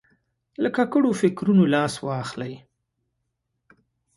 له ککړو فکرونو لاس واخلي.